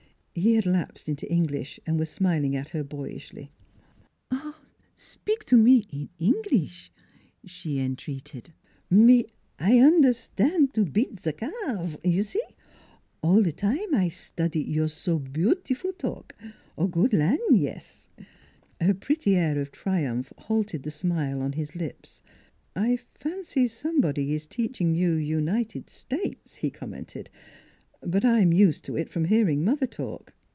He had lapsed into English and was smiling at her boyishly. " Spik to me in Englis'," she entreated. " Me, I un'erstan' to beat the cars you see? All time I study your so be utiful talk. Good Ian' yes !" Her pretty air of triumph halted the smile on his lips. " I fancy somebody is teaching you United States," he commented. " But I'm used to it from hearing mother talk.